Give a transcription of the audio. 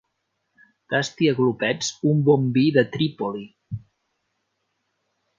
Tasti a glopets un bon vi de Trípoli.